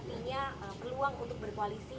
apakah ini artinya peluang untuk berkoalisi